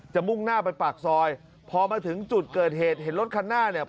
มุ่งหน้าไปปากซอยพอมาถึงจุดเกิดเหตุเห็นรถคันหน้าเนี่ย